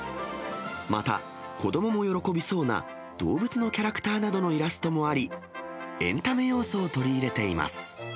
また、子どもも喜びそうな動物のキャラクターなどのイラストもあり、エンタメ要素を取り入れています。